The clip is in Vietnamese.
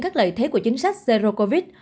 các lợi thế của chính sách zero covid